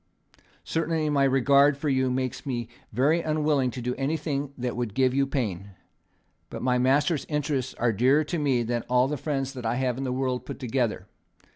Certainly my regard for you makes me very unwilling to do anything that would give you pain. But my master's interests are dearer to me than all the friends that I have in the world put together.